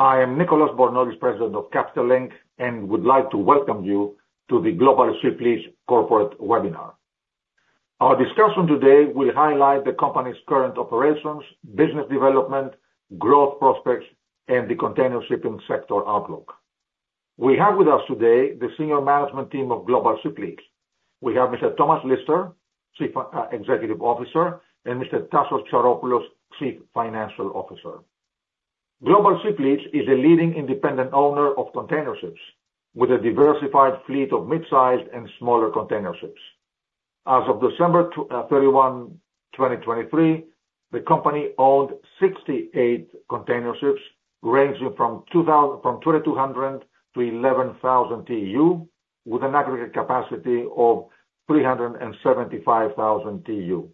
I am Nicolas Bornozis, President of Capital Link, and would like to welcome you to the Global Ship Lease Corporate Webinar. Our discussion today will highlight the company's current operations, business development, growth prospects, and the container shipping sector outlook. We have with us today the Senior Management Team of Global Ship Lease. We have Mr. Thomas Lister, Chief Executive Officer, and Mr. Tassos Psaropoulos, Chief Financial Officer. Global Ship Lease is a leading independent owner of container ships with a diversified fleet of mid-sized and smaller container ships. As of December 31, 2023, the company owned 68 container ships ranging from 2,200 to 11,000 TEU, with an aggregate capacity of 375,000 TEU.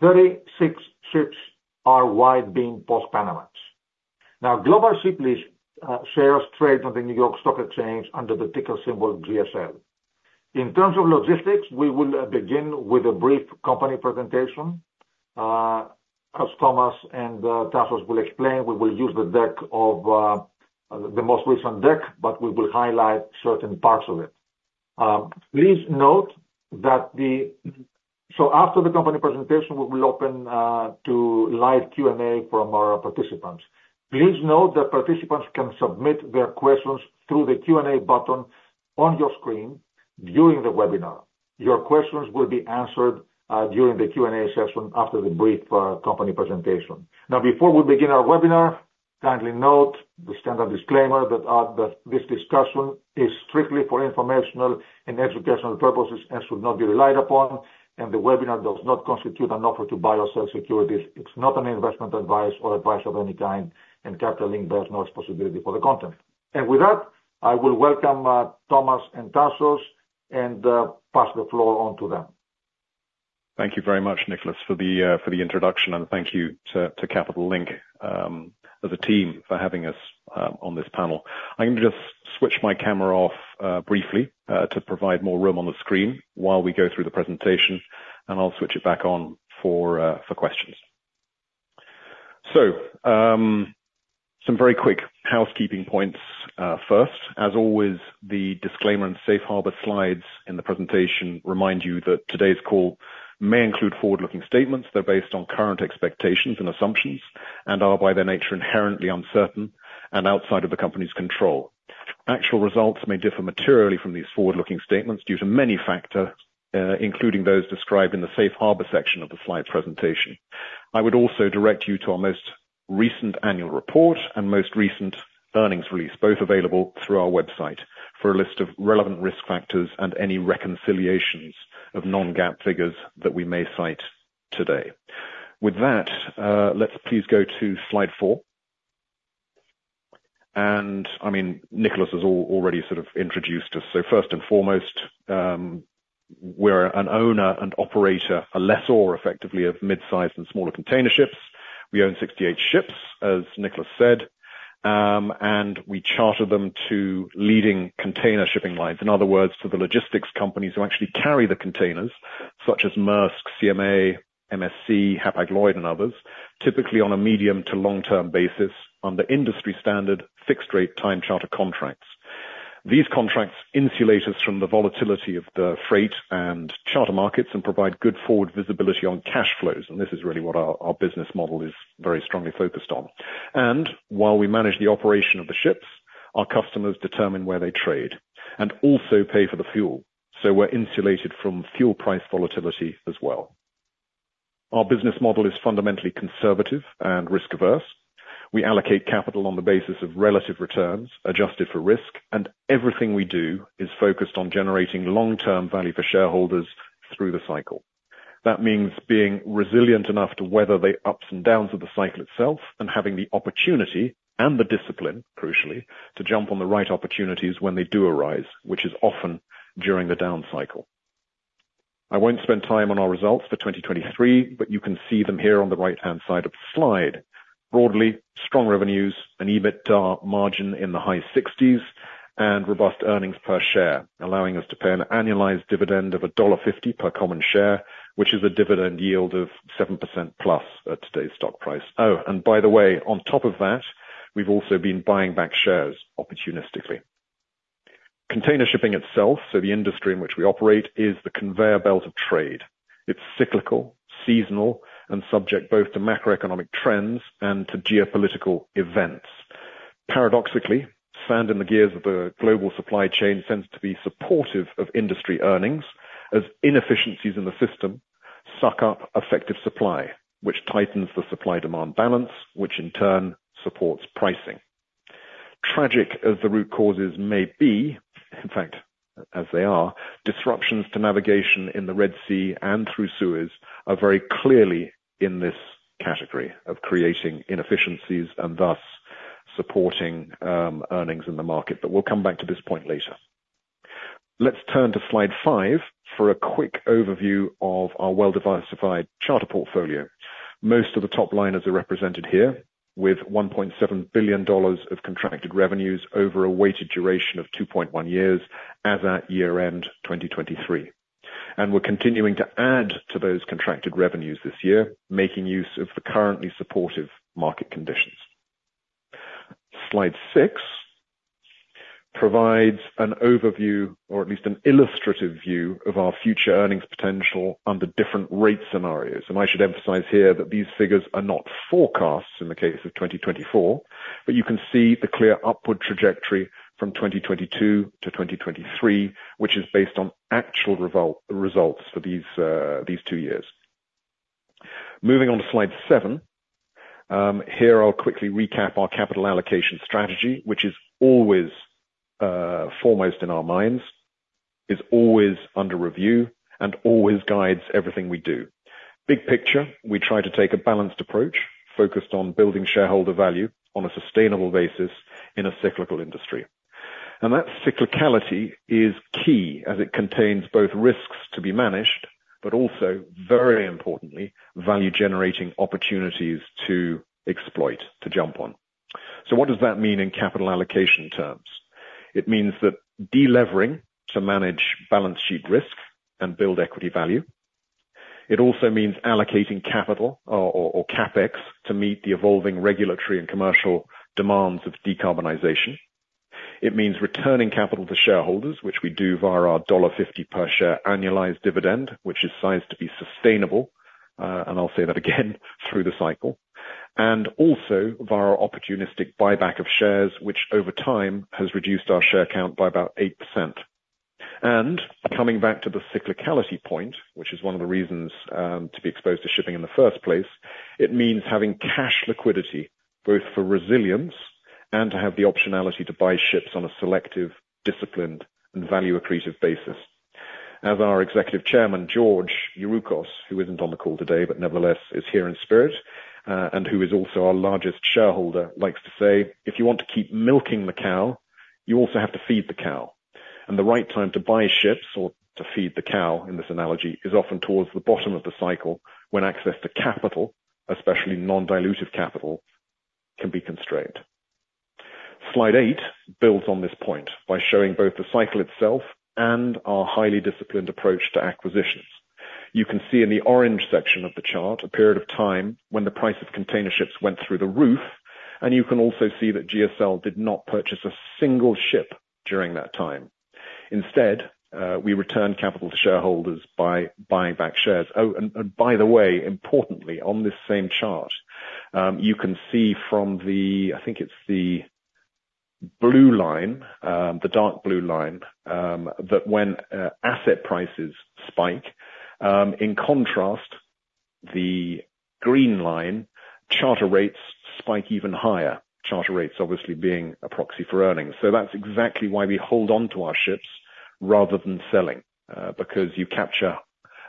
36 ships are wide-beam Post-Panamax. Now, Global Ship Lease shares trade on the New York Stock Exchange under the ticker symbol GSL. In terms of logistics, we will begin with a brief company presentation. As Thomas and Tassos will explain, we will use the deck of the most recent deck, but we will highlight certain parts of it. Please note that after the company presentation, we will open to live Q&A from our participants. Please note that participants can submit their questions through the Q&A button on your screen during the webinar. Your questions will be answered during the Q&A session after the brief company presentation. Now, before we begin our webinar, kindly note the standard disclaimer that this discussion is strictly for informational and educational purposes and should not be relied upon, and the webinar does not constitute an offer to buy or sell securities. It's not investment advice or advice of any kind, and Capital Link bears no responsibility for the content. With that, I will welcome Thomas and Tassos and pass the floor on to them. Thank you very much, Nicolas, for the introduction, and thank you to Capital Link as a team for having us on this panel. I'm going to just switch my camera off briefly to provide more room on the screen while we go through the presentation, and I'll switch it back on for questions. So, some very quick housekeeping points first. As always, the disclaimer and safe harbor slides in the presentation remind you that today's call may include forward-looking statements. They're based on current expectations and assumptions and are, by their nature, inherently uncertain and outside of the company's control. Actual results may differ materially from these forward-looking statements due to many factors, including those described in the safe harbor section of the slide presentation. I would also direct you to our most recent annual report and most recent earnings release, both available through our website, for a list of relevant risk factors and any reconciliations of non-GAAP figures that we may cite today. With that, let's please go to slide 4. And I mean, Nicolas has already sort of introduced us. So first and foremost, we're an owner and operator, a lessor, effectively, of mid-sized and smaller container ships. We own 68 ships, as Nicolas said, and we charter them to leading container shipping lines. In other words, to the logistics companies who actually carry the containers, such as Maersk, CMA, MSC, Hapag-Lloyd, and others, typically on a medium to long-term basis under industry standard fixed-rate time charter contracts. These contracts insulate us from the volatility of the freight and charter markets and provide good forward visibility on cash flows. This is really what our business model is very strongly focused on. While we manage the operation of the ships, our customers determine where they trade and also pay for the fuel. We're insulated from fuel price volatility as well. Our business model is fundamentally conservative and risk-averse. We allocate capital on the basis of relative returns adjusted for risk, and everything we do is focused on generating long-term value for shareholders through the cycle. That means being resilient enough to weather the ups and downs of the cycle itself and having the opportunity and the discipline, crucially, to jump on the right opportunities when they do arise, which is often during the down cycle. I won't spend time on our results for 2023, but you can see them here on the right-hand side of the slide. Broadly, strong revenues, an EBITDA margin in the high 60s%, and robust earnings per share, allowing us to pay an annualized dividend of $1.50 per common share, which is a dividend yield of 7%+ at today's stock price. Oh, and by the way, on top of that, we've also been buying back shares opportunistically. Container shipping itself, so the industry in which we operate, is the conveyor belt of trade. It's cyclical, seasonal, and subject both to macroeconomic trends and to geopolitical events. Paradoxically, sand in the gears of the global supply chain tends to be supportive of industry earnings as inefficiencies in the system suck up effective supply, which tightens the supply-demand balance, which in turn supports pricing. Tragic as the root causes may be, in fact, as they are, disruptions to navigation in the Red Sea and through the Suez Canal are very clearly in this category of creating inefficiencies and thus supporting earnings in the market. But we'll come back to this point later. Let's turn to slide 5 for a quick overview of our well-diversified charter portfolio. Most of the top liners are represented here with $1.7 billion of contracted revenues over a weighted duration of 2.1 years as at year-end 2023. We're continuing to add to those contracted revenues this year, making use of the currently supportive market conditions. Slide 6 provides an overview, or at least an illustrative view, of our future earnings potential under different rate scenarios. I should emphasize here that these figures are not forecasts in the case of 2024, but you can see the clear upward trajectory from 2022 to 2023, which is based on actual results for these two years. Moving on to slide 7, here I'll quickly recap our capital allocation strategy, which is always foremost in our minds, is always under review, and always guides everything we do. Big picture, we try to take a balanced approach focused on building shareholder value on a sustainable basis in a cyclical industry. And that cyclicality is key as it contains both risks to be managed, but also, very importantly, value-generating opportunities to exploit, to jump on. So what does that mean in capital allocation terms? It means that delevering to manage balance sheet risk and build equity value. It also means allocating capital or CapEx to meet the evolving regulatory and commercial demands of decarbonization. It means returning capital to shareholders, which we do via our $1.50 per share annualized dividend, which is sized to be sustainable, and I'll say that again through the cycle, and also via opportunistic buyback of shares, which over time has reduced our share count by about 8%. Coming back to the cyclicality point, which is one of the reasons to be exposed to shipping in the first place, it means having cash liquidity both for resilience and to have the optionality to buy ships on a selective, disciplined, and value-accretive basis. As our Executive Chairman, George Youroukos, who isn't on the call today, but nevertheless is here in spirit and who is also our largest shareholder, likes to say, "If you want to keep milking the cow, you also have to feed the cow." The right time to buy ships or to feed the cow in this analogy is often towards the bottom of the cycle when access to capital, especially non-dilutive capital, can be constrained. Slide 8 builds on this point by showing both the cycle itself and our highly disciplined approach to acquisitions. You can see in the orange section of the chart a period of time when the price of container ships went through the roof, and you can also see that GSL did not purchase a single ship during that time. Instead, we returned capital to shareholders by buying back shares. Oh, and by the way, importantly, on this same chart, you can see from the, I think it's the blue line, the dark blue line, that when asset prices spike, in contrast, the green line, charter rates spike even higher, charter rates obviously being a proxy for earnings. So that's exactly why we hold on to our ships rather than selling, because you capture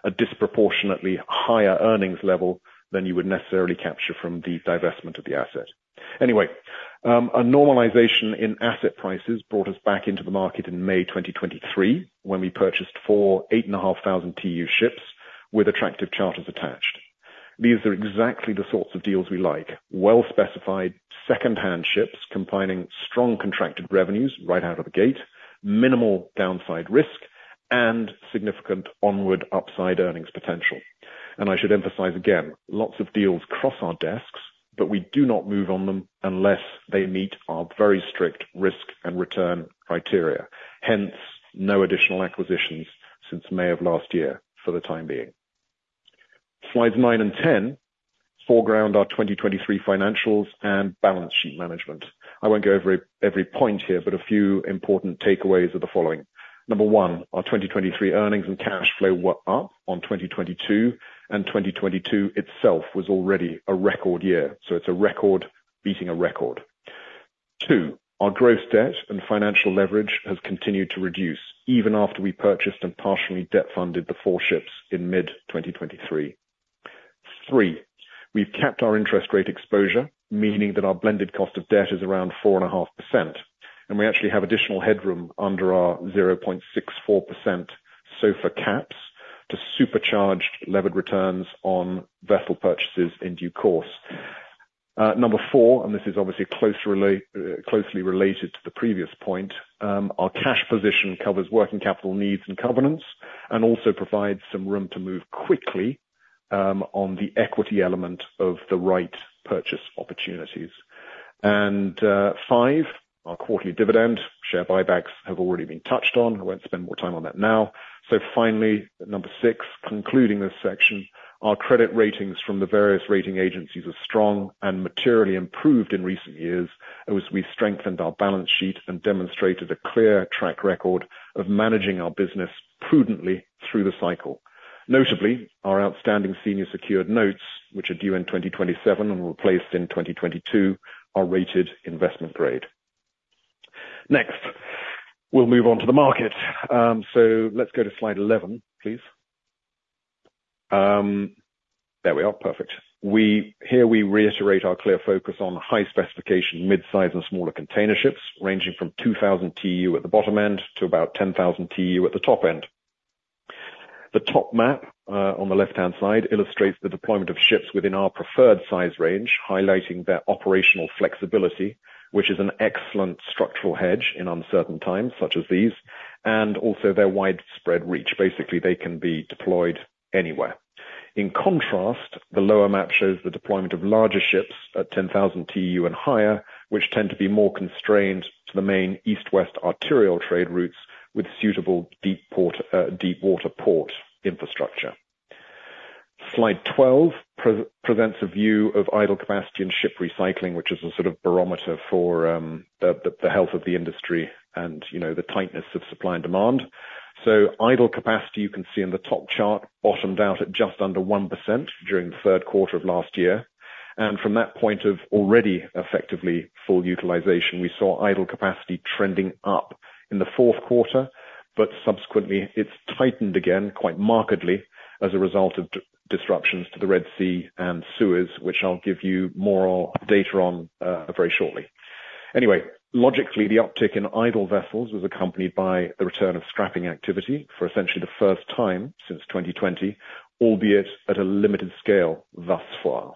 a disproportionately higher earnings level than you would necessarily capture from the divestment of the asset. Anyway, a normalization in asset prices brought us back into the market in May 2023 when we purchased four 8,500 TEU ships with attractive charters attached. These are exactly the sorts of deals we like: well-specified second-hand ships combining strong contracted revenues right out of the gate, minimal downside risk, and significant onward upside earnings potential. I should emphasize again, lots of deals cross our desks, but we do not move on them unless they meet our very strict risk and return criteria. Hence, no additional acquisitions since May of last year for the time being. Slides nine and 10 foreground our 2023 financials and balance sheet management. I won't go over every point here, but a few important takeaways are the following. One, our 2023 earnings and cash flow were up on 2022, and 2022 itself was already a record year. So it's a record beating a record. Two, our gross debt and financial leverage has continued to reduce even after we purchased and partially debt funded the four ships in mid-2023. 3, we've kept our interest rate exposure, meaning that our blended cost of debt is around 4.5%, and we actually have additional headroom under our 0.64% SOFR caps to supercharged levered returns on vessel purchases in due course. Number 4, and this is obviously closely related to the previous point, our cash position covers working capital needs and covenants and also provides some room to move quickly on the equity element of the right purchase opportunities. And 5, our quarterly dividend share buybacks have already been touched on. I won't spend more time on that now. So finally, number 6, concluding this section, our credit ratings from the various rating agencies are strong and materially improved in recent years as we strengthened our balance sheet and demonstrated a clear track record of managing our business prudently through the cycle. Notably, our outstanding senior secured notes, which are due in 2027 and were placed in 2022, are rated investment grade. Next, we'll move on to the market. So let's go to slide 11, please. There we are. Perfect. Here we reiterate our clear focus on high specification, mid-size, and smaller container ships ranging from 2,000 TEU at the bottom end to about 10,000 TEU at the top end. The top map on the left-hand side illustrates the deployment of ships within our preferred size range, highlighting their operational flexibility, which is an excellent structural hedge in uncertain times such as these, and also their widespread reach. Basically, they can be deployed anywhere. In contrast, the lower map shows the deployment of larger ships at 10,000 TEU and higher, which tend to be more constrained to the main east-west arterial trade routes with suitable deep-water port infrastructure. Slide 12 presents a view of idle capacity and ship recycling, which is a sort of barometer for the health of the industry and the tightness of supply and demand. So idle capacity, you can see in the top chart, bottomed out at just under 1% during the third quarter of last year. From that point of already effectively full utilization, we saw idle capacity trending up in the fourth quarter, but subsequently, it's tightened again quite markedly as a result of disruptions to the Red Sea and Suez Canal, which I'll give you more data on very shortly. Anyway, logically, the uptick in idle vessels was accompanied by the return of scrapping activity for essentially the first time since 2020, albeit at a limited scale thus far.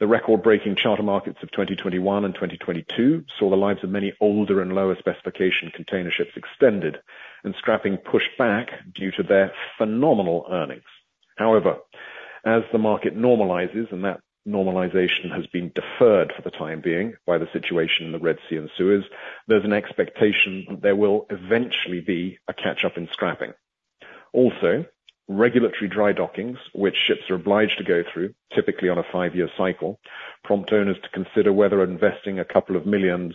The record-breaking charter markets of 2021 and 2022 saw the lives of many older and lower specification container ships extended and scrapping pushed back due to their phenomenal earnings. However, as the market normalizes and that normalization has been deferred for the time being by the situation in the Red Sea and Suez, there's an expectation that there will eventually be a catch-up in scrapping. Also, regulatory dry dockings, which ships are obliged to go through typically on a five-year cycle, prompt owners to consider whether investing $2 million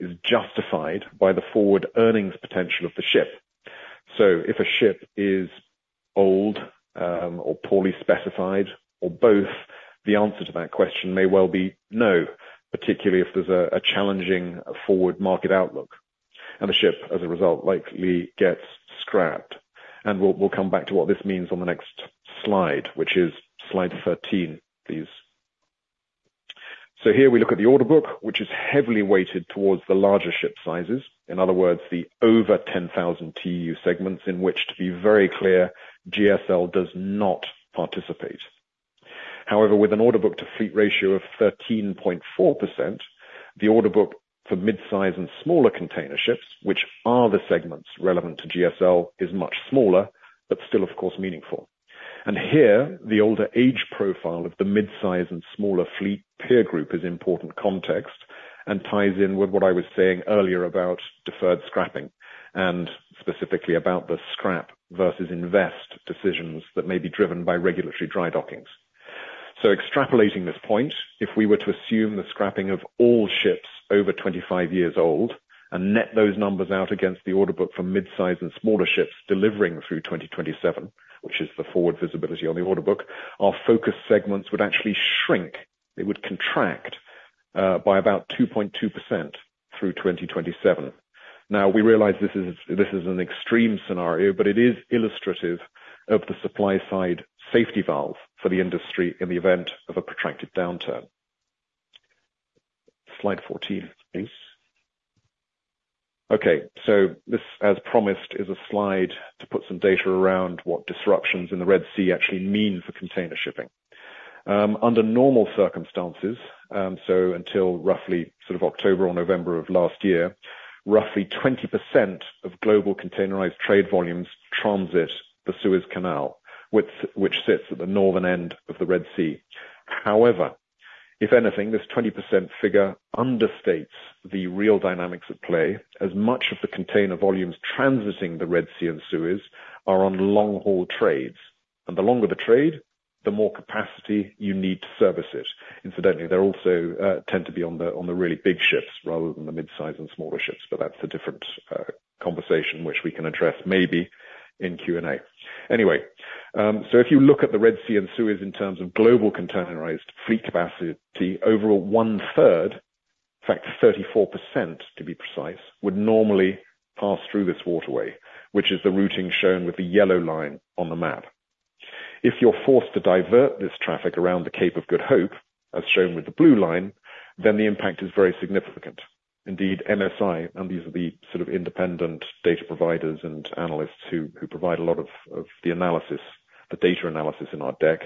is justified by the forward earnings potential of the ship. So if a ship is old or poorly specified or both, the answer to that question may well be no, particularly if there's a challenging forward market outlook. And the ship, as a result, likely gets scrapped. We'll come back to what this means on the next slide, which is slide 13, please. So here we look at the order book, which is heavily weighted towards the larger ship sizes. In other words, the over 10,000 TEU segments in which, to be very clear, GSL does not participate. However, with an order book to fleet ratio of 13.4%, the order book for mid-size and smaller container ships, which are the segments relevant to GSL, is much smaller but still, of course, meaningful. And here, the older age profile of the mid-size and smaller fleet peer group is important context and ties in with what I was saying earlier about deferred scrapping and specifically about the scrap versus invest decisions that may be driven by regulatory dry dockings. So extrapolating this point, if we were to assume the scrapping of all ships over 25 years old and net those numbers out against the order book for mid-size and smaller ships delivering through 2027, which is the forward visibility on the order book, our focus segments would actually shrink. They would contract by about 2.2% through 2027. Now, we realize this is an extreme scenario, but it is illustrative of the supply-side safety valve for the industry in the event of a protracted downturn. Slide 14, please. Okay. So this, as promised, is a slide to put some data around what disruptions in the Red Sea actually mean for container shipping. Under normal circumstances, so until roughly sort of October or November of last year, roughly 20% of global containerized trade volumes transit the Suez Canal, which sits at the northern end of the Red Sea. However, if anything, this 20% figure understates the real dynamics at play as much of the container volumes transiting the Red Sea and Suez are on long-haul trades. The longer the trade, the more capacity you need to service it. Incidentally, they also tend to be on the really big ships rather than the mid-size and smaller ships, but that's a different conversation which we can address maybe in Q&A. Anyway, so if you look at the Red Sea and Suez in terms of global containerized fleet capacity, overall one-third, in fact, 34% to be precise, would normally pass through this waterway, which is the routing shown with the yellow line on the map. If you're forced to divert this traffic around the Cape of Good Hope, as shown with the blue line, then the impact is very significant. Indeed, MSI, and these are the sort of independent data providers and analysts who provide a lot of the analysis, the data analysis in our deck,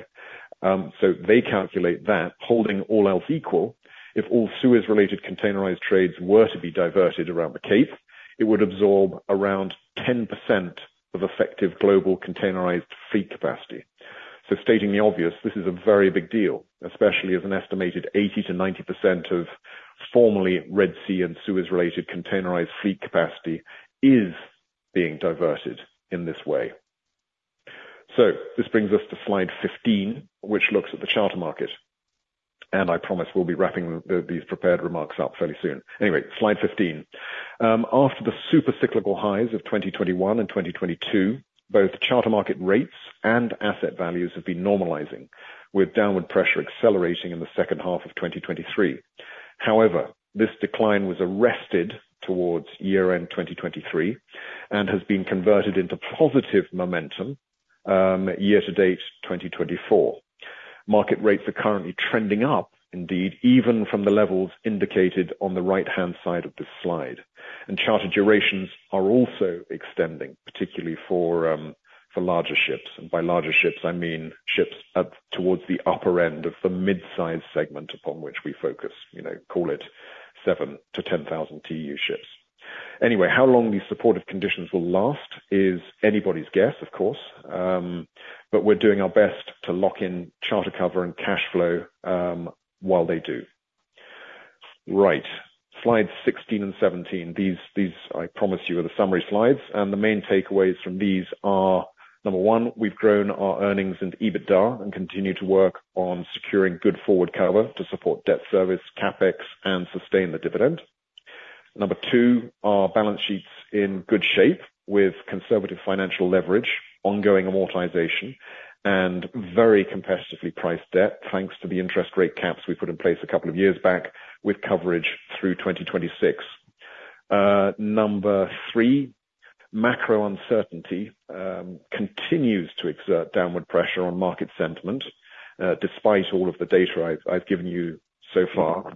so they calculate that holding all else equal, if all Suez-related containerized trades were to be diverted around the Cape, it would absorb around 10% of effective global containerized fleet capacity. So stating the obvious, this is a very big deal, especially as an estimated 80%-90% of formerly Red Sea and Suez-related containerized fleet capacity is being diverted in this way. So this brings us to slide 15, which looks at the charter market. And I promise we'll be wrapping these prepared remarks up fairly soon. Anyway, slide 15. After the super cyclical highs of 2021 and 2022, both charter market rates and asset values have been normalizing, with downward pressure accelerating in the second half of 2023. However, this decline was arrested towards year-end 2023 and has been converted into positive momentum year-to-date 2024. Market rates are currently trending up, indeed, even from the levels indicated on the right-hand side of this slide. Charter durations are also extending, particularly for larger ships. By larger ships, I mean ships towards the upper end of the mid-size segment upon which we focus, call it 7,000-10,000 TEU ships. Anyway, how long these supportive conditions will last is anybody's guess, of course, but we're doing our best to lock in charter cover and cash flow while they do. Right. Slides 16 and 17. These, I promise you, are the summary slides. The main takeaways from these are, number one, we've grown our earnings and EBITDA and continue to work on securing good forward cover to support debt service, CapEx, and sustain the dividend. 2, our balance sheet's in good shape with conservative financial leverage, ongoing amortization, and very competitively priced debt thanks to the interest rate caps we put in place a couple of years back with coverage through 2026. 3, macro uncertainty continues to exert downward pressure on market sentiment despite all of the data I've given you so far,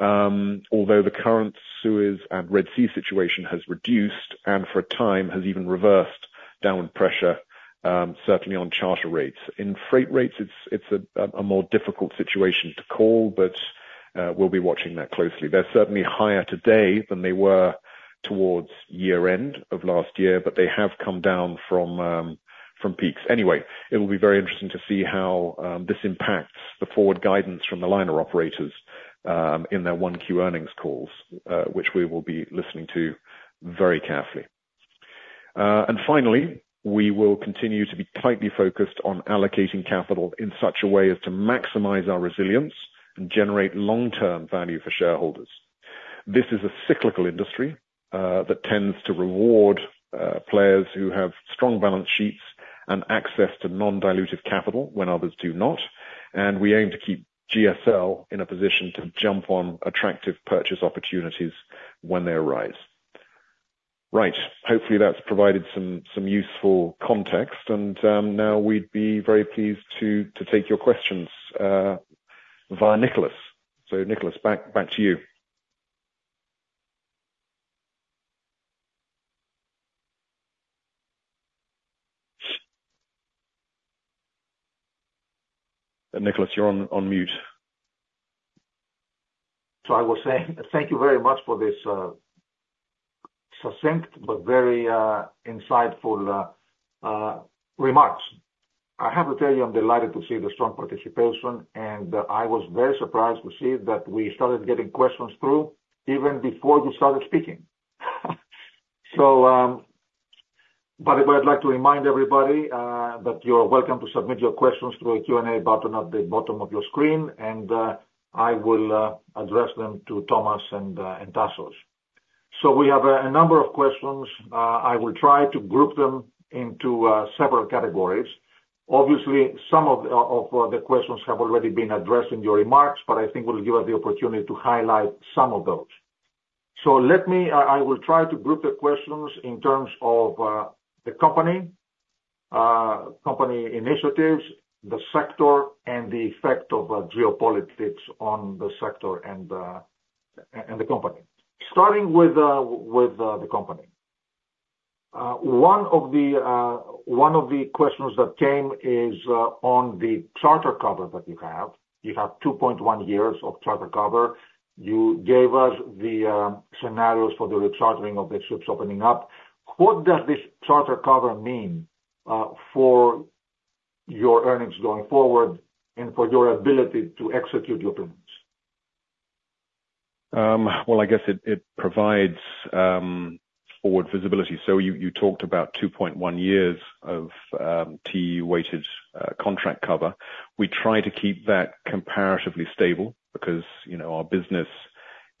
although the current Suez and Red Sea situation has reduced and for a time has even reversed downward pressure, certainly on charter rates. In freight rates, it's a more difficult situation to call, but we'll be watching that closely. They're certainly higher today than they were towards year-end of last year, but they have come down from peaks. Anyway, it will be very interesting to see how this impacts the forward guidance from the liner operators in their Q1 earnings calls, which we will be listening to very carefully. And finally, we will continue to be tightly focused on allocating capital in such a way as to maximize our resilience and generate long-term value for shareholders. This is a cyclical industry that tends to reward players who have strong balance sheets and access to non-dilutive capital when others do not. And we aim to keep GSL in a position to jump on attractive purchase opportunities when they arise. Right. Hopefully, that's provided some useful context. And now we'd be very pleased to take your questions via Nicolas. So Nicolas, back to you. Nicolas, you're on mute. So I will say thank you very much for this succinct but very insightful remarks. I have to tell you, I'm delighted to see the strong participation, and I was very surprised to see that we started getting questions through even before you started speaking. But I'd like to remind everybody that you're welcome to submit your questions through a Q&A button at the bottom of your screen, and I will address them to Thomas and Tassos. So we have a number of questions. I will try to group them into several categories. Obviously, some of the questions have already been addressed in your remarks, but I think we'll give us the opportunity to highlight some of those. So I will try to group the questions in terms of the company, company initiatives, the sector, and the effect of geopolitics on the sector and the company. Starting with the company. One of the questions that came is on the charter cover that you have. You have 2.1 years of charter cover. You gave us the scenarios for the rechartering of the ships opening up. What does this charter cover mean for your earnings going forward and for your ability to execute your business? Well, I guess it provides forward visibility. So you talked about 2.1 years of TEU-weighted contract cover. We try to keep that comparatively stable because our business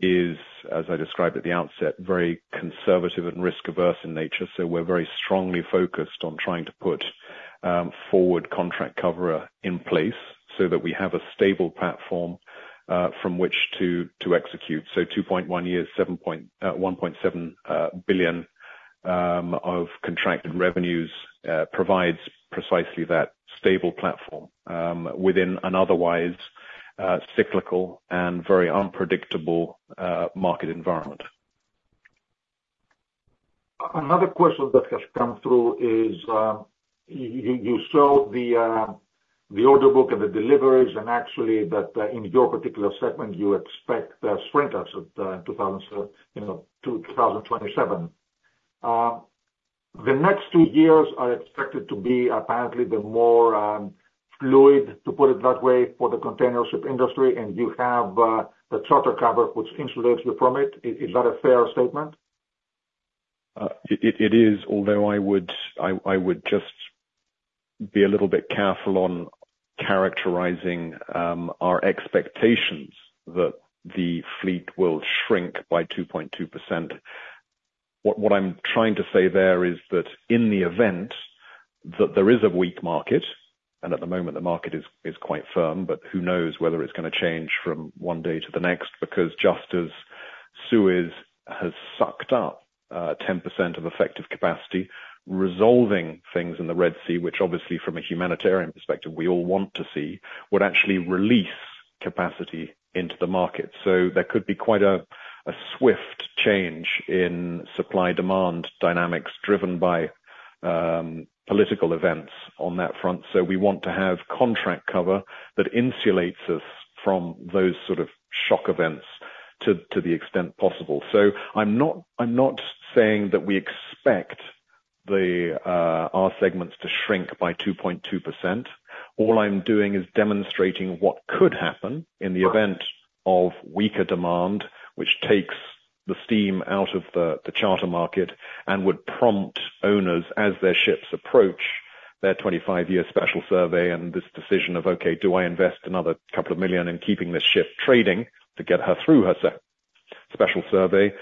is, as I described at the outset, very conservative and risk-averse in nature. So we're very strongly focused on trying to put forward contract cover in place so that we have a stable platform from which to execute. So 2.1 years, $1.7 billion of contracted revenues provides precisely that stable platform within an otherwise cyclical and very unpredictable market environment. Another question that has come through is you showed the order book and the deliveries and actually that in your particular segment, you expect sprinters in 2027. The next two years are expected to be apparently the more fluid, to put it that way, for the container ship industry, and you have the charter cover which insulates you from it. Is that a fair statement? It is, although I would just be a little bit careful on characterizing our expectations that the fleet will shrink by 2.2%. What I'm trying to say there is that in the event that there is a weak market, and at the moment, the market is quite firm, but who knows whether it's going to change from one day to the next because just as Suez has sucked up 10% of effective capacity, resolving things in the Red Sea, which obviously from a humanitarian perspective, we all want to see, would actually release capacity into the market. So there could be quite a swift change in supply-demand dynamics driven by political events on that front. So we want to have contract cover that insulates us from those sort of shock events to the extent possible. So I'm not saying that we expect our segments to shrink by 2.2%. All I'm doing is demonstrating what could happen in the event of weaker demand, which takes the steam out of the charter market and would prompt owners as their ships approach their 25-year Special Survey and this decision of, "Okay, do I invest another $2 million in keeping this ship trading to get her through her Special Survey?"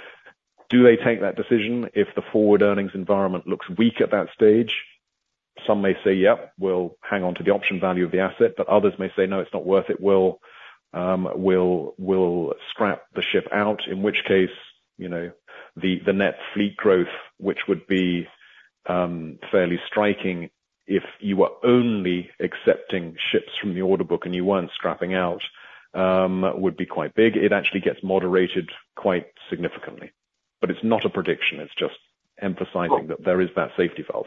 Do they take that decision? If the forward earnings environment looks weak at that stage, some may say, "Yep, we'll hang on to the option value of the asset," but others may say, "No, it's not worth it. We'll scrap the ship out," in which case the net fleet growth, which would be fairly striking if you were only accepting ships from the order book and you weren't scrapping out, would be quite big. It actually gets moderated quite significantly. But it's not a prediction. It's just emphasizing that there is that safety valve.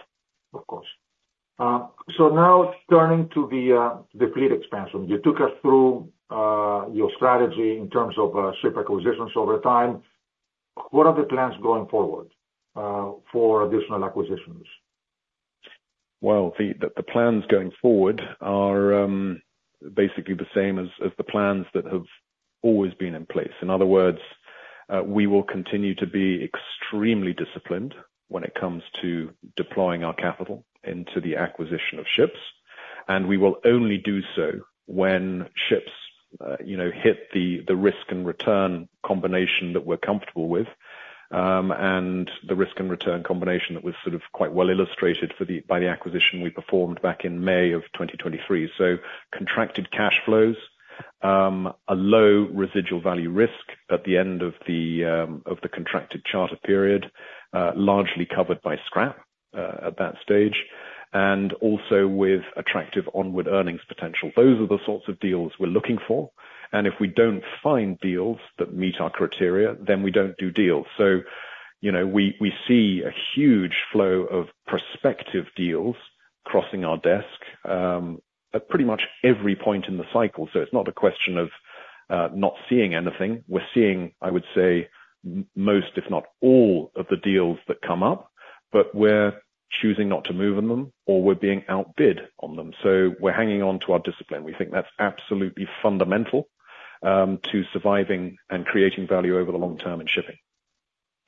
Of course. So now turning to the fleet expansion, you took us through your strategy in terms of ship acquisitions over time. What are the plans going forward for additional acquisitions? Well, the plans going forward are basically the same as the plans that have always been in place. In other words, we will continue to be extremely disciplined when it comes to deploying our capital into the acquisition of ships. And we will only do so when ships hit the risk and return combination that we're comfortable with and the risk and return combination that was sort of quite well illustrated by the acquisition we performed back in May of 2023. So contracted cash flows, a low residual value risk at the end of the contracted charter period, largely covered by scrap at that stage, and also with attractive onward earnings potential. Those are the sorts of deals we're looking for. And if we don't find deals that meet our criteria, then we don't do deals. So we see a huge flow of prospective deals crossing our desk at pretty much every point in the cycle. So it's not a question of not seeing anything. We're seeing, I would say, most, if not all, of the deals that come up, but we're choosing not to move on them or we're being outbid on them. So we're hanging on to our discipline. We think that's absolutely fundamental to surviving and creating value over the long term in shipping.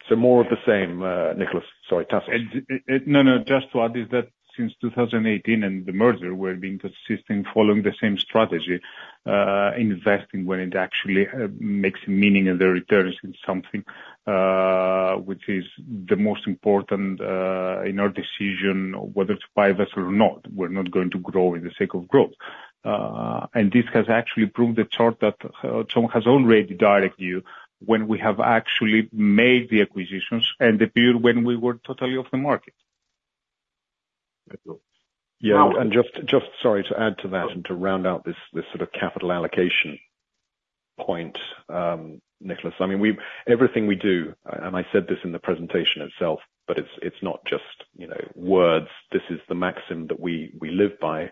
So more of the same, Nicolas. Sorry, Tassos. No, no, just to add that since 2018 and the merger, we've been consistently following the same strategy, investing when it actually makes meaning and there returns in something, which is the most important in our decision, whether to buy this or not. We're not going to grow in the sake of growth. And this has actually proved the chart that Tom has already directed you when we have actually made the acquisitions and the period when we were totally off the market. Yeah. And just sorry to add to that and to round out this sort of capital allocation point, Nicolas. I mean, everything we do, and I said this in the presentation itself, but it's not just words. This is the maxim that we live by.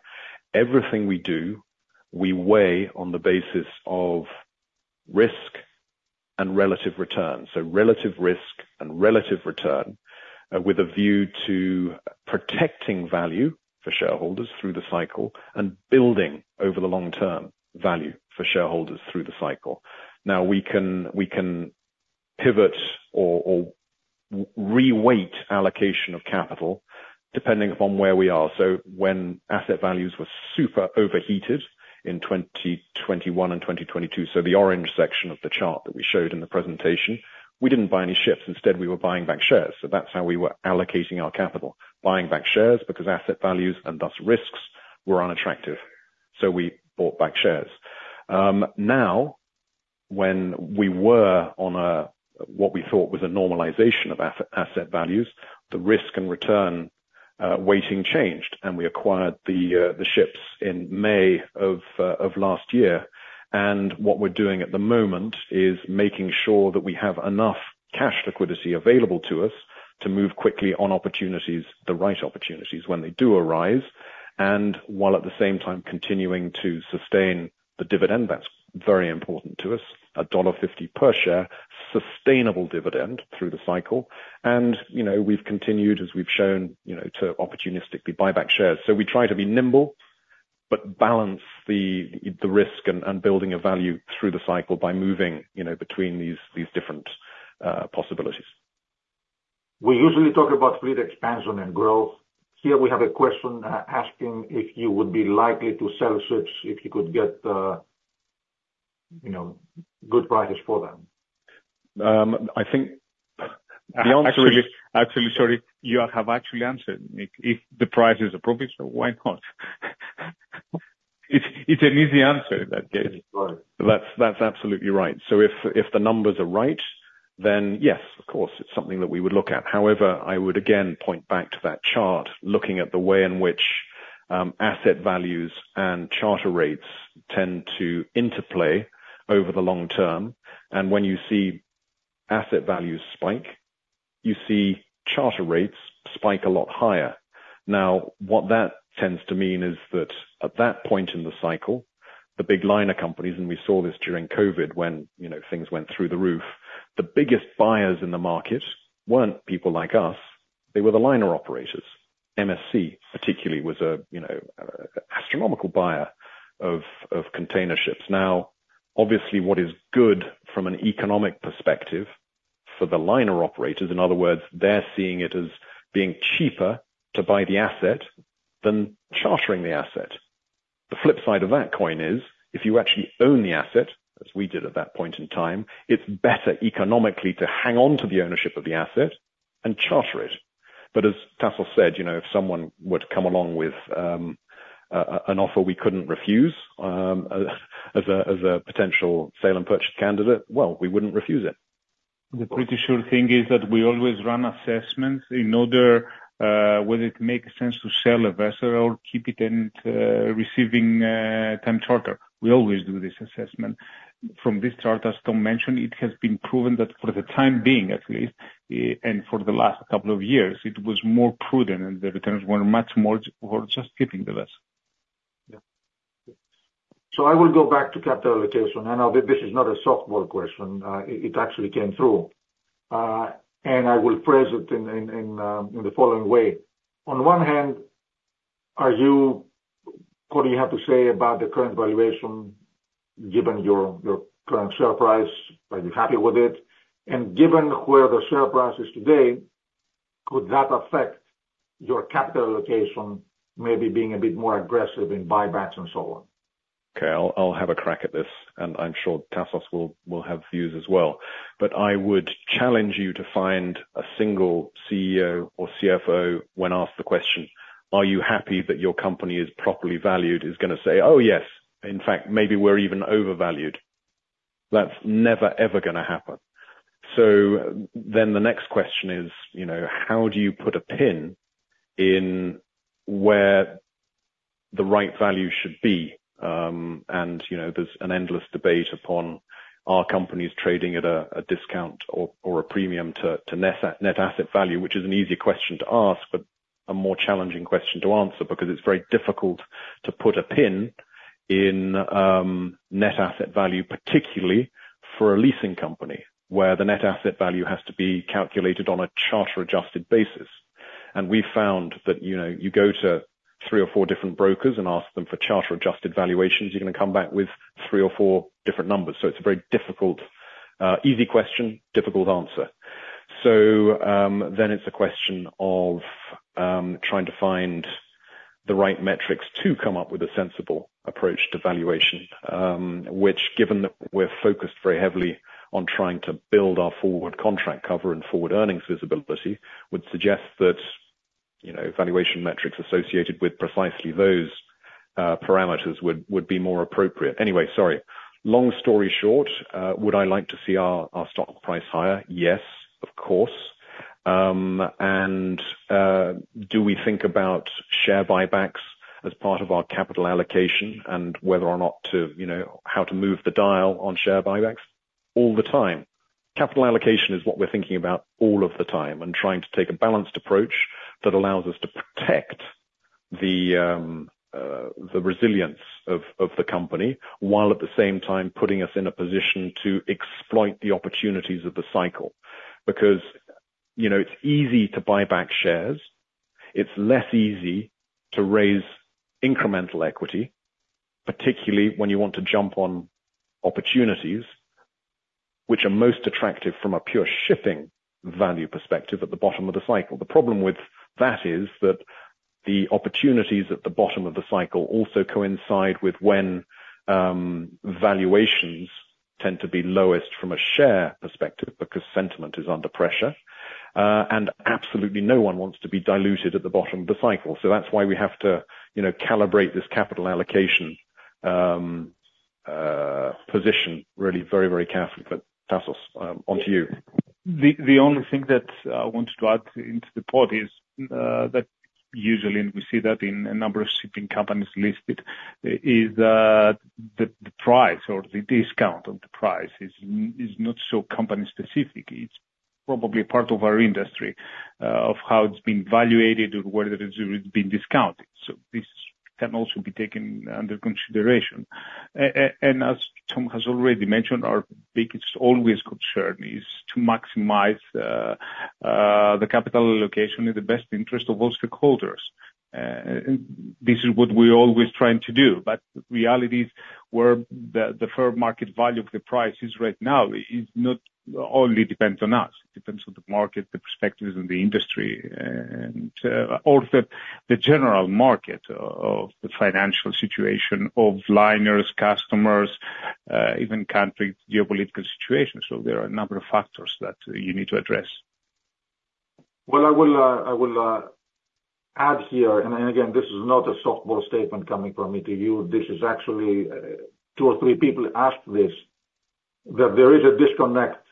Everything we do, we weigh on the basis of risk and relative return. So relative risk and relative return with a view to protecting value for shareholders through the cycle and building over the long-term value for shareholders through the cycle. Now, we can pivot or reweight allocation of capital depending upon where we are. So when asset values were super overheated in 2021 and 2022, so the orange section of the chart that we showed in the presentation, we didn't buy any ships. Instead, we were buying back shares. So that's how we were allocating our capital, buying back shares because asset values and thus risks were unattractive. We bought back shares. Now, when we were on what we thought was a normalization of asset values, the risk and return weighting changed, and we acquired the ships in May of last year. What we're doing at the moment is making sure that we have enough cash liquidity available to us to move quickly on opportunities, the right opportunities when they do arise, and while at the same time continuing to sustain the dividend. That's very important to us, $1.50 per share, sustainable dividend through the cycle. We've continued, as we've shown, to opportunistically buy back shares. We try to be nimble but balance the risk and building a value through the cycle by moving between these different possibilities. We usually talk about fleet expansion and growth. Here we have a question asking if you would be likely to sell ships if you could get good prices for them. I think the answer is actually, sorry, you have actually answered. If the price is appropriate, so why not? It's an easy answer in that case. That's absolutely right. So if the numbers are right, then yes, of course, it's something that we would look at. However, I would again point back to that chart looking at the way in which asset values and charter rates tend to interplay over the long term. When you see asset values spike, you see charter rates spike a lot higher. Now, what that tends to mean is that at that point in the cycle, the big liner companies, and we saw this during COVID when things went through the roof, the biggest buyers in the market weren't people like us. They were the liner operators. MSC, particularly, was an astronomical buyer of container ships. Now, obviously, what is good from an economic perspective for the liner operators, in other words, they're seeing it as being cheaper to buy the asset than chartering the asset. The flip side of that coin is if you actually own the asset, as we did at that point in time, it's better economically to hang on to the ownership of the asset and charter it. But as Tassos said, if someone would come along with an offer we couldn't refuse as a potential sale and purchase candidate, well, we wouldn't refuse it. The pretty sure thing is that we always run assessments in order whether it makes sense to sell a vessel or keep it and receiving time charter. We always do this assessment. From this chart, as Tom mentioned, it has been proven that for the time being, at least, and for the last couple of years, it was more prudent and the returns were much more worth just keeping the vessel. So I will go back to capital allocation. This is not a softball question. It actually came through. I will phrase it in the following way. On one hand, what do you have to say about the current valuation given your current share price? Are you happy with it? And given where the share price is today, could that affect your capital allocation, maybe being a bit more aggressive in buybacks and so on? Okay. I'll have a crack at this. I'm sure Tassos will have views as well. I would challenge you to find a single CEO or CFO when asked the question, "Are you happy that your company is properly valued?" is going to say, "Oh, yes. In fact, maybe we're even overvalued." That's never, ever going to happen. Then the next question is, how do you put a pin in where the right value should be? There's an endless debate about whether companies are trading at a discount or a premium to net asset value, which is an easier question to ask, but a more challenging question to answer because it's very difficult to put a pin in net asset value, particularly for a leasing company where the net asset value has to be calculated on a charter-adjusted basis. And we've found that you go to three or four different brokers and ask them for charter-adjusted valuations, you're going to come back with three or four different numbers. So it's a very difficult easy question, difficult answer. So then it's a question of trying to find the right metrics to come up with a sensible approach to valuation, which, given that we're focused very heavily on trying to build our forward contract cover and forward earnings visibility, would suggest that valuation metrics associated with precisely those parameters would be more appropriate. Anyway, sorry. Long story short, would I like to see our stock price higher? Yes, of course. And do we think about share buybacks as part of our capital allocation and whether or not to how to move the dial on share buybacks? All the time. Capital allocation is what we're thinking about all of the time and trying to take a balanced approach that allows us to protect the resilience of the company while at the same time putting us in a position to exploit the opportunities of the cycle. Because it's easy to buy back shares. It's less easy to raise incremental equity, particularly when you want to jump on opportunities which are most attractive from a pure shipping value perspective at the bottom of the cycle. The problem with that is that the opportunities at the bottom of the cycle also coincide with when valuations tend to be lowest from a share perspective because sentiment is under pressure. And absolutely no one wants to be diluted at the bottom of the cycle. So that's why we have to calibrate this capital allocation position really very, very carefully. But Tassos, onto you. The only thing that I wanted to add into the pod is that usually we see that in a number of shipping companies listed is that the price or the discount on the price is not so company-specific. It's probably part of our industry of how it's been valuated or whether it's been discounted. So this can also be taken under consideration. And as Tom has already mentioned, our biggest always concern is to maximize the capital allocation in the best interest of all stakeholders. This is what we're always trying to do. But the reality is where the fair market value of the prices right now is not only dependent on us. It depends on the market, the perspectives in the industry, or the general market of the financial situation of liners, customers, even country geopolitical situations. So there are a number of factors that you need to address. Well, I will add here, and again, this is not a softball statement coming from me to you. This is actually two or three people asked this that there is a disconnect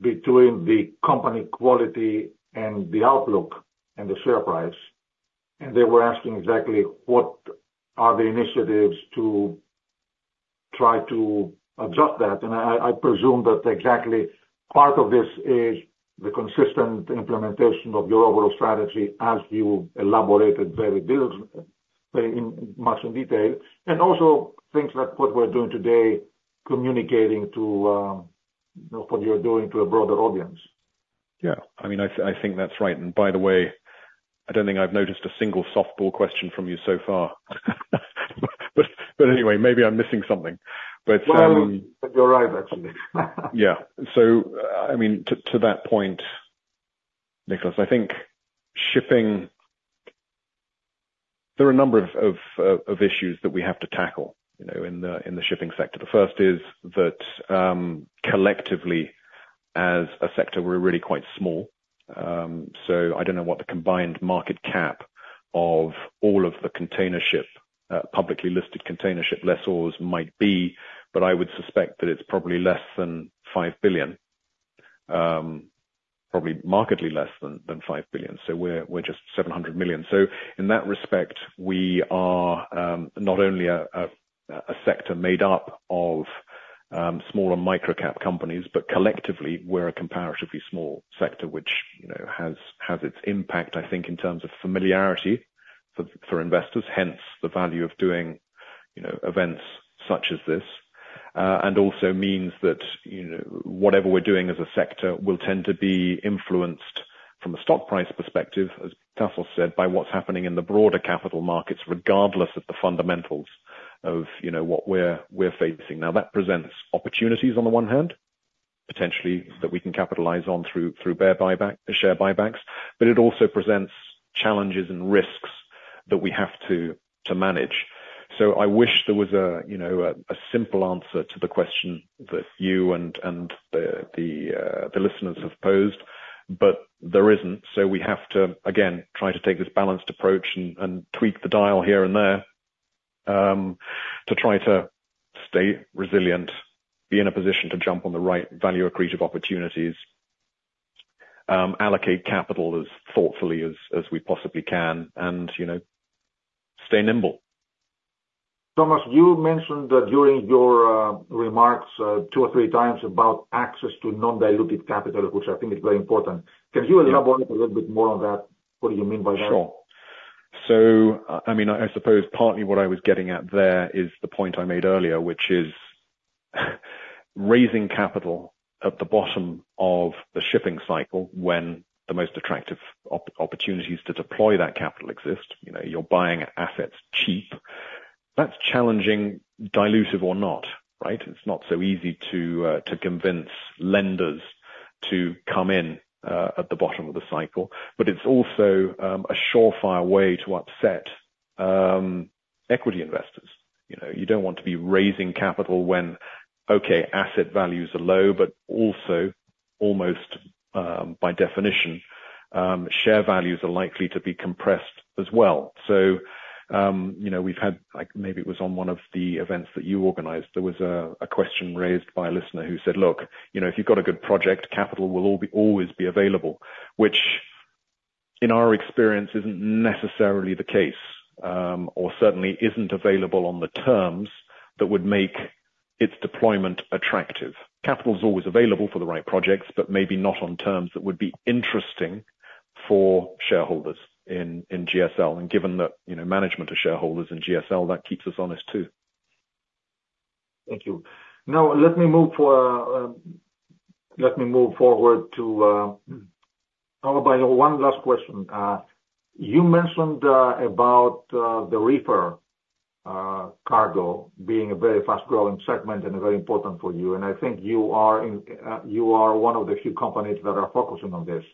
between the company quality and the outlook and the share price. And they were asking exactly what are the initiatives to try to adjust that. And I presume that exactly part of this is the consistent implementation of your overall strategy as you elaborated very much in detail. And also things like what we're doing today, communicating to what you're doing to a broader audience. Yeah. I mean, I think that's right. And by the way, I don't think I've noticed a single softball question from you so far. But anyway, maybe I'm missing something. But you're right, actually. Yeah. So I mean, to that point, Nicolas, I think shipping, there are a number of issues that we have to tackle in the shipping sector. The first is that collectively, as a sector, we're really quite small. So I don't know what the combined market cap of all of the publicly listed container ship lessors might be, but I would suspect that it's probably less than $5 billion, probably materially less than $5 billion. So we're just $700 million. So in that respect, we are not only a sector made up of smaller micro-cap companies, but collectively, we're a comparatively small sector, which has its impact, I think, in terms of familiarity for investors, hence the value of doing events such as this. And also means that whatever we're doing as a sector will tend to be influenced from a stock price perspective, as Tassos said, by what's happening in the broader capital markets, regardless of the fundamentals of what we're facing. Now, that presents opportunities on the one hand, potentially that we can capitalize on through share buybacks, but it also presents challenges and risks that we have to manage. So I wish there was a simple answer to the question that you and the listeners have posed, but there isn't. So we have to, again, try to take this balanced approach and tweak the dial here and there to try to stay resilient, be in a position to jump on the right value-accretive opportunities, allocate capital as thoughtfully as we possibly can, and stay nimble. Thomas, you mentioned that during your remarks two or three times about access to non-diluted capital, which I think is very important. Can you elaborate a little bit more on that? What do you mean by that? Sure. So I mean, I suppose partly what I was getting at there is the point I made earlier, which is raising capital at the bottom of the shipping cycle when the most attractive opportunities to deploy that capital exist. You're buying assets cheap. That's challenging, dilutive or not, right? It's not so easy to convince lenders to come in at the bottom of the cycle. But it's also a surefire way to upset equity investors. You don't want to be raising capital when, okay, asset values are low, but also almost by definition, share values are likely to be compressed as well. So we've had, maybe it was on one of the events that you organized, there was a question raised by a listener who said, "Look, if you've got a good project, capital will always be available," which in our experience isn't necessarily the case or certainly isn't available on the terms that would make its deployment attractive. Capital is always available for the right projects, but maybe not on terms that would be interesting for shareholders in GSL. And given that management of shareholders in GSL, that keeps us honest too. Thank you. Now, let me move forward to one last question. You mentioned about the reefer cargo being a very fast-growing segment and very important for you. And I think you are one of the few companies that are focusing on this.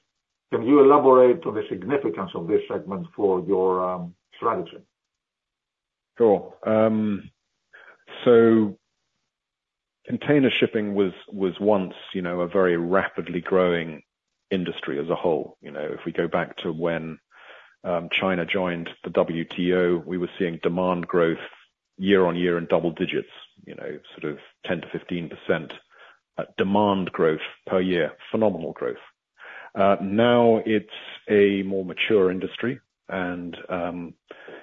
Can you elaborate on the significance of this segment for your strategy? Sure. So container shipping was once a very rapidly growing industry as a whole. If we go back to when China joined the WTO, we were seeing demand growth year-over-year in double digits, sort of 10%-15% demand growth per year, phenomenal growth. Now it's a more mature industry, and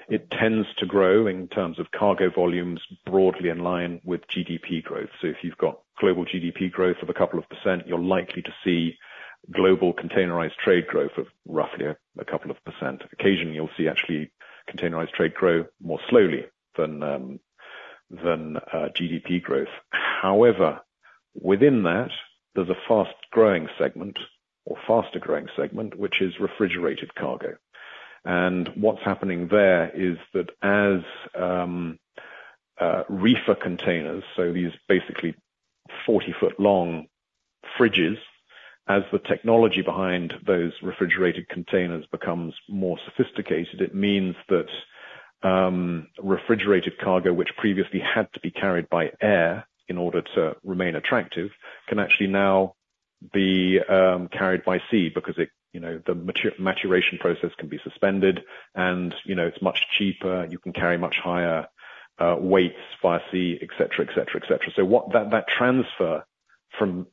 it tends to grow in terms of cargo volumes broadly in line with GDP growth. So if you've got global GDP growth of a couple of percent, you're likely to see global containerized trade growth of roughly a couple of percent. Occasionally, you'll see actually containerized trade grow more slowly than GDP growth. However, within that, there's a fast-growing segment or faster-growing segment, which is refrigerated cargo. And what's happening there is that as reefer containers, so these basically 40-foot-long fridges, as the technology behind those refrigerated containers becomes more sophisticated, it means that refrigerated cargo, which previously had to be carried by air in order to remain attractive, can actually now be carried by sea because the maturation process can be suspended, and it's much cheaper. You can carry much higher weights via sea, etc., etc., etc. So that transfer from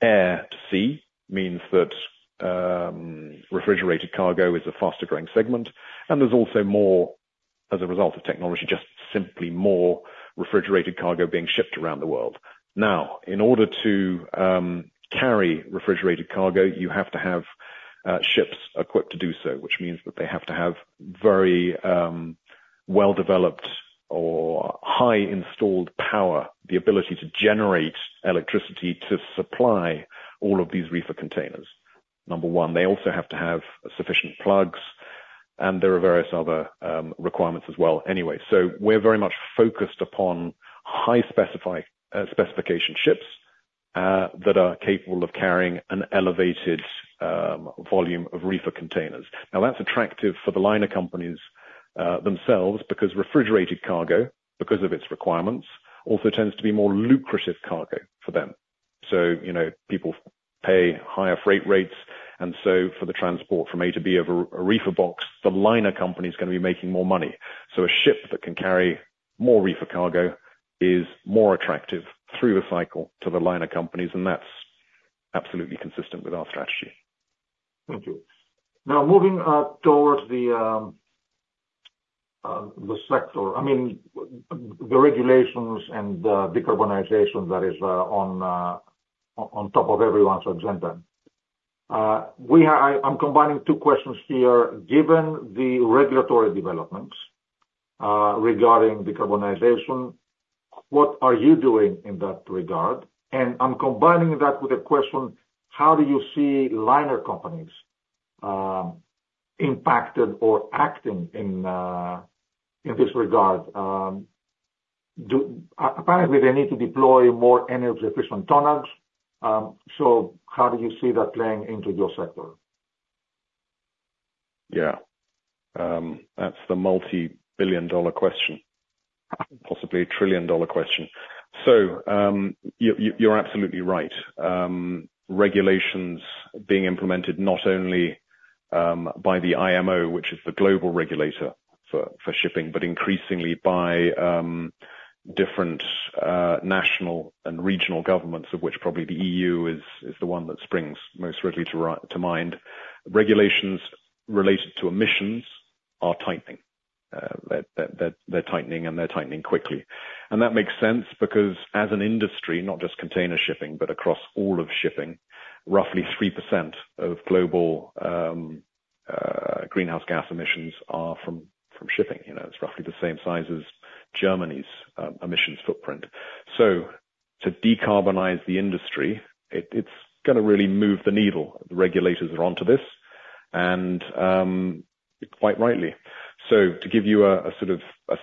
air to sea means that refrigerated cargo is a faster-growing segment. And there's also more, as a result of technology, just simply more refrigerated cargo being shipped around the world. Now, in order to carry refrigerated cargo, you have to have ships equipped to do so, which means that they have to have very well-developed or high-installed power, the ability to generate electricity to supply all of these reefer containers, number one. They also have to have sufficient plugs, and there are various other requirements as well. Anyway, so we're very much focused upon high-specification ships that are capable of carrying an elevated volume of reefer containers. Now, that's attractive for the liner companies themselves because refrigerated cargo, because of its requirements, also tends to be more lucrative cargo for them. So people pay higher freight rates. And so for the transport from A to B of a reefer box, the liner company is going to be making more money. So a ship that can carry more reefer cargo is more attractive through the cycle to the liner companies, and that's absolutely consistent with our strategy. Thank you. Now, moving towards the sector, I mean, the regulations and decarbonization that is on top of everyone's agenda. I'm combining two questions here. Given the regulatory developments regarding decarbonization, what are you doing in that regard? And I'm combining that with a question, how do you see liner companies impacted or acting in this regard? Apparently, they need to deploy more energy-efficient tonnage. So how do you see that playing into your sector? Yeah. That's the multi-billion-dollar question, possibly a trillion-dollar question. So you're absolutely right. Regulations being implemented not only by the IMO, which is the global regulator for shipping, but increasingly by different national and regional governments, of which probably the EU is the one that springs most readily to mind. Regulations related to emissions are tightening. They're tightening, and they're tightening quickly. And that makes sense because as an industry, not just container shipping, but across all of shipping, roughly 3% of global greenhouse gas emissions are from shipping. It's roughly the same size as Germany's emissions footprint. So to decarbonize the industry, it's going to really move the needle. The regulators are onto this, and quite rightly. So to give you a sort of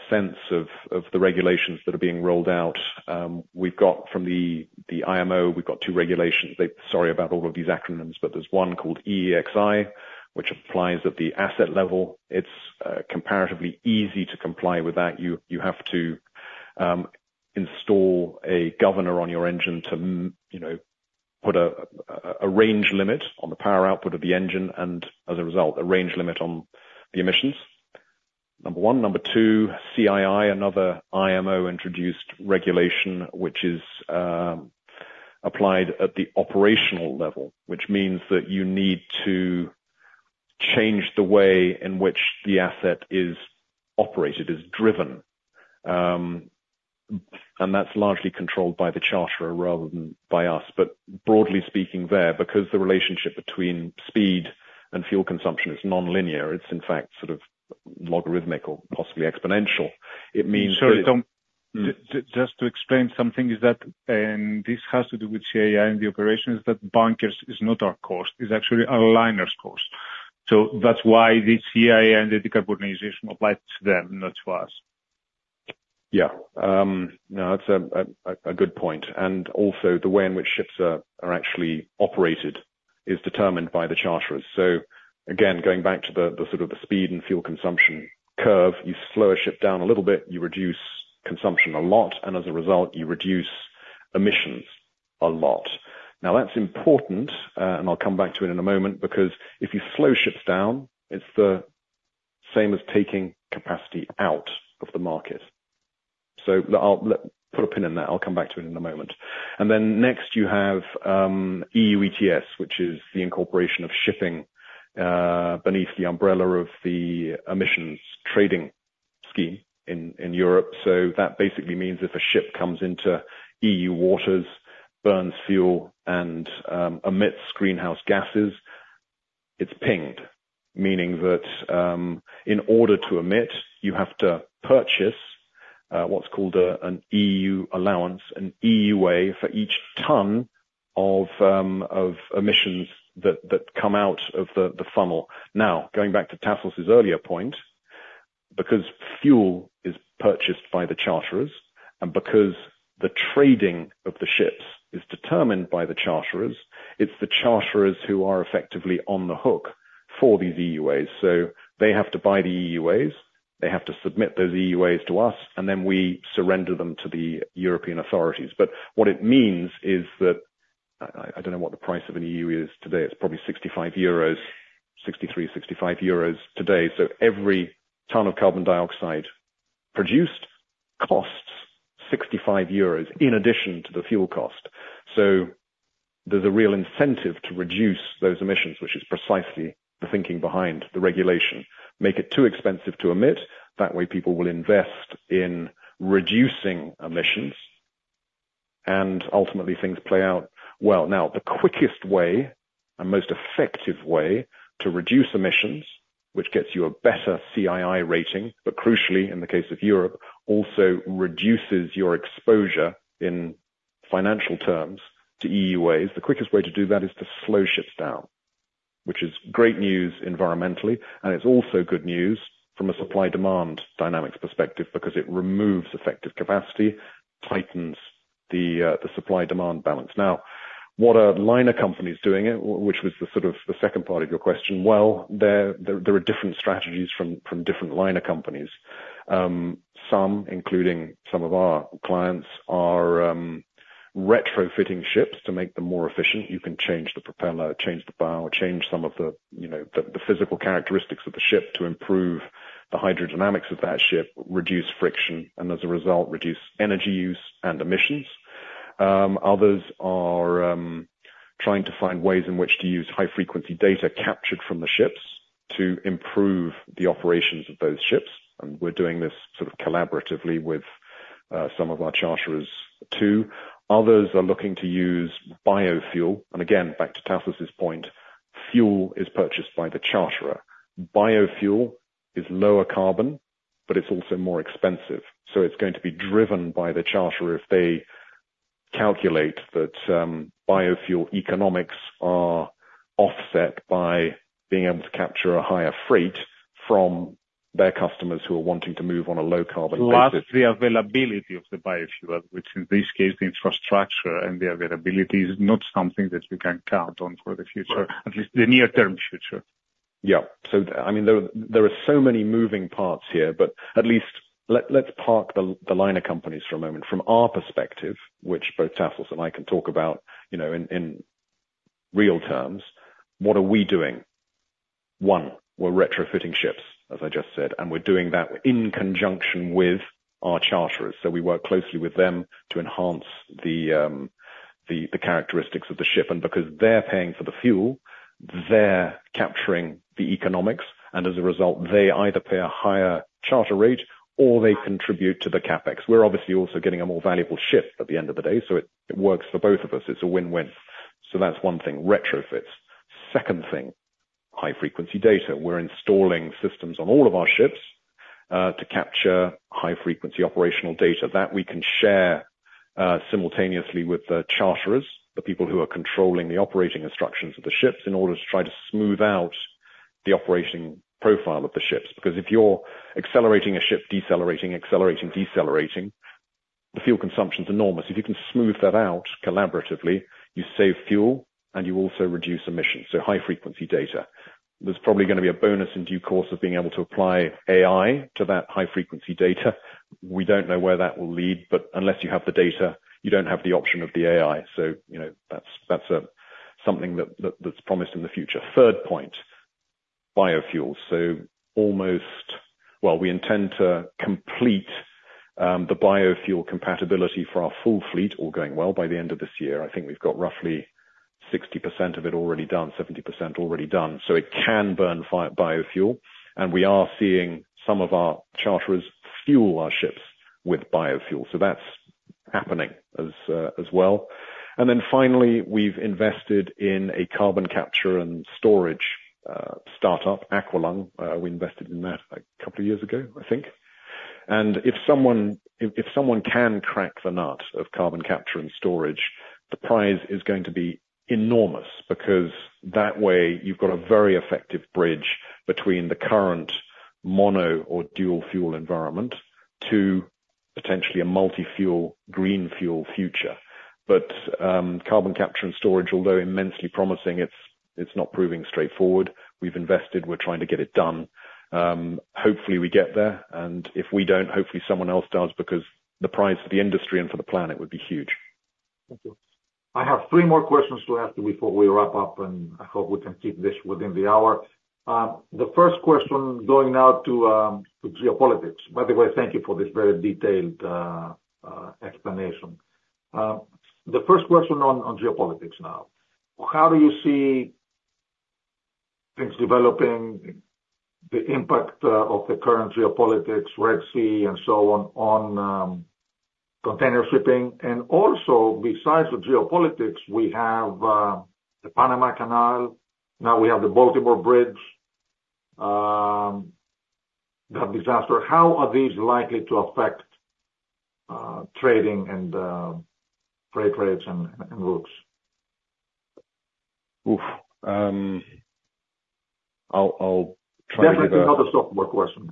sense of the regulations that are being rolled out, we've got from the IMO, we've got two regulations. Sorry about all of these acronyms, but there's one called EEXI, which implies that the asset level, it's comparatively easy to comply with that. You have to install a governor on your engine to put a range limit on the power output of the engine, and as a result, a range limit on the emissions, number one. Number two, CII, another IMO-introduced regulation, which is applied at the operational level, which means that you need to change the way in which the asset is operated, is driven. And that's largely controlled by the charter rather than by us. But broadly speaking there, because the relationship between speed and fuel consumption is non-linear, it's in fact sort of logarithmic or possibly exponential. It means. That just to explain something, is that this has to do with CII and the operations that bunkers is not our cost, it's actually a liner's cost. So that's why the CII and the decarbonization applies to them, not to us. Yeah. No, that's a good point. And also the way in which ships are actually operated is determined by the charters. So again, going back to the sort of the speed and fuel consumption curve, you slow a ship down a little bit, you reduce consumption a lot, and as a result, you reduce emissions a lot. Now, that's important, and I'll come back to it in a moment because if you slow ships down, it's the same as taking capacity out of the market. So I'll put a pin in that. I'll come back to it in a moment. And then next, you have EU ETS, which is the incorporation of shipping beneath the umbrella of the emissions trading scheme in Europe. So that basically means if a ship comes into EU waters, burns fuel, and emits greenhouse gases, it's pinged, meaning that in order to emit, you have to purchase what's called an EU Allowance, an EUA for each ton of emissions that come out of the funnel. Now, going back to Tassos's earlier point, because fuel is purchased by the charterers and because the trading of the ships is determined by the charterers, it's the charterers who are effectively on the hook for these EUAs. So they have to buy the EUAs. They have to submit those EUAs to us, and then we surrender them to the European authorities. But what it means is that I don't know what the price of an EUA is today. It's probably 65 euros, 63, 65 euros today. So every ton of carbon dioxide produced costs 65 euros in addition to the fuel cost. So there's a real incentive to reduce those emissions, which is precisely the thinking behind the regulation. Make it too expensive to emit. That way, people will invest in reducing emissions, and ultimately, things play out well. Now, the quickest way and most effective way to reduce emissions, which gets you a better CII rating, but crucially, in the case of Europe, also reduces your exposure in financial terms to EUAs, the quickest way to do that is to slow ships down, which is great news environmentally. And it's also good news from a supply-demand dynamics perspective because it removes effective capacity, tightens the supply-demand balance. Now, what are liner companies doing it, which was the sort of the second part of your question? Well, there are different strategies from different liner companies. Some, including some of our clients, are retrofitting ships to make them more efficient. You can change the propeller, change the bow, change some of the physical characteristics of the ship to improve the hydrodynamics of that ship, reduce friction, and as a result, reduce energy use and emissions. Others are trying to find ways in which to use high-frequency data captured from the ships to improve the operations of those ships. We're doing this sort of collaboratively with some of our charterers too. Others are looking to use biofuel. Again, back to Tassos's point, fuel is purchased by the charterer. Biofuel is lower carbon, but it's also more expensive. It's going to be driven by the charterer if they calculate that biofuel economics are offset by being able to capture a higher freight from their customers who are wanting to move on a low-carbon basis. That's the availability of the biofuel, which in this case, the infrastructure and the availability is not something that you can count on for the future, at least the near-term future. Yeah. So I mean, there are so many moving parts here, but at least let's park the liner companies for a moment. From our perspective, which both Tassos and I can talk about in real terms, what are we doing? One, we're retrofitting ships, as I just said, and we're doing that in conjunction with our charterers. So we work closely with them to enhance the characteristics of the ship. And because they're paying for the fuel, they're capturing the economics. And as a result, they either pay a higher charter rate or they contribute to the CapEx. We're obviously also getting a more valuable ship at the end of the day. So it works for both of us. It's a win-win. So that's one thing, retrofits. Second thing, high-frequency data. We're installing systems on all of our ships to capture high-frequency operational data that we can share simultaneously with the charterers, the people who are controlling the operating instructions of the ships in order to try to smooth out the operating profile of the ships. Because if you're accelerating a ship, decelerating, accelerating, decelerating, the fuel consumption is enormous. If you can smooth that out collaboratively, you save fuel and you also reduce emissions. So high-frequency data. There's probably going to be a bonus in due course of being able to apply AI to that high-frequency data. We don't know where that will lead, but unless you have the data, you don't have the option of the AI. So that's something that's promised in the future. Third point, biofuels. So almost, well, we intend to complete the biofuel compatibility for our full fleet all going well by the end of this year. I think we've got roughly 60% of it already done, 70% already done. So it can burn biofuel. And we are seeing some of our charterers fuel our ships with biofuel. So that's happening as well. And then finally, we've invested in a carbon capture and storage startup, Aqualung. We invested in that a couple of years ago, I think. And if someone can crack the nut of carbon capture and storage, the prize is going to be enormous because that way you've got a very effective bridge between the current mono or dual-fuel environment to potentially a multi-fuel green fuel future. But carbon capture and storage, although immensely promising, it's not proving straightforward. We've invested. We're trying to get it done. Hopefully, we get there. And if we don't, hopefully, someone else does because the prize for the industry and for the planet would be huge. Thank you. I have three more questions to ask you before we wrap up, and I hope we can keep this within the hour. The first question going now to geopolitics. By the way, thank you for this very detailed explanation. The first question on geopolitics now, how do you see things developing, the impact of the current geopolitics, Red Sea, and so on on container shipping? And also besides the geopolitics, we have the Panama Canal. Now we have the Baltimore Bridge, that disaster. How are these likely to affect trading and freight rates and goods? I'll try to give you another softball question.